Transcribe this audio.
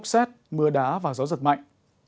ốc xét mưa đá và gió giật mạnh